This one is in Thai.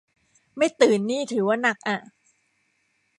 ไม่ตื่นนี่ถือว่าหนักอะ